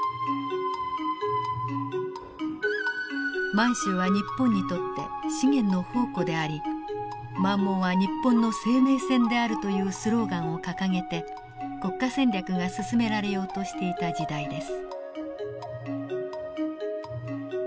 満州は日本にとって資源の宝庫であり「満蒙は日本の生命線である」というスローガンを掲げて国家戦略が進められようとしていた時代です。